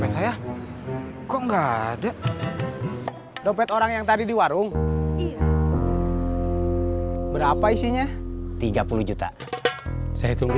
saya kok enggak ada dompet orang yang tadi di warung iya berapa isinya tiga puluh juta saya tunggu